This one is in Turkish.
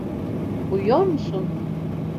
Uyuyor musun?